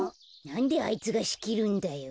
なんであいつがしきるんだよ。